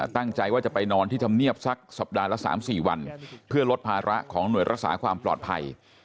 ตั้งใจว่าจะไปนอนที่ธรรมเนียบสักสัปดาห์ละ๓๔วันเพื่อลดภาระของหน่วยรักษาความปลอดภัย